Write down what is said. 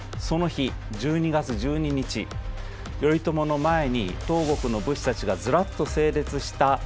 その日１２月１２日頼朝の前に東国の武士たちがずらっと整列した。